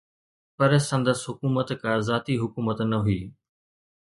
پر سندس حڪومت ڪا ذاتي حڪومت نه هئي.